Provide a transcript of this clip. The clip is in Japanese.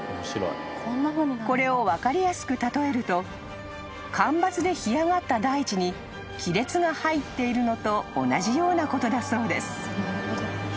［これを分かりやすく例えると干ばつで干上がった大地に亀裂が入っているのと同じようなことだそうです］